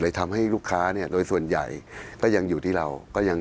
เลยทำให้ลูกค้าโดยส่วนใหญ่ก็ยังอยู่ที่เรา